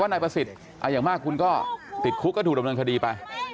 นายประสิทธิ์อย่างมากคุณก็ติดคุกก็ถูกดำเนินคดีไป